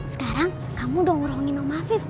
sekarang kamu dongongin om afif